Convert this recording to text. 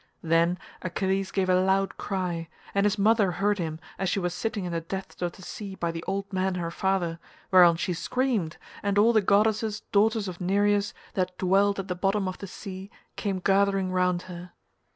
Then Achilles gave a loud cry and his mother heard him as she was sitting in the depths of the sea by the old man her father, whereon she screamed, and all the goddesses daughters of Nereus that dwelt at the bottom of the sea, came gathering round her.